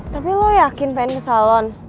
tapi lo yakin pengen ke salon